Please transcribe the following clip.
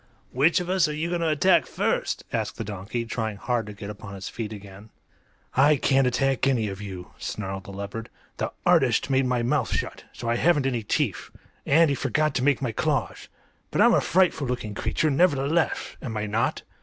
"Which of us are you going to attack first?" asked the donkey, trying hard to get upon his feet again. "I can't attack any of you," snarled the leopard. "The artist made my mouth shut, so I haven't any teeth; and he forgot to make my claws. But I'm a frightful looking creature, nevertheless; am I not?"